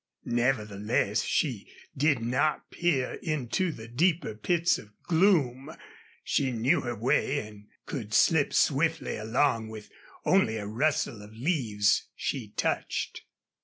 Nevertheless, she did not peer into the deeper pits of gloom. She knew her way and could slip swiftly along with only a rustle of leaves she touched.